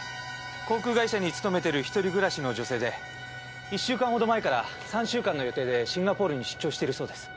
航空会社に勤めてる一人暮らしの女性で１週間ほど前から３週間の予定でシンガポールに出張しているそうです。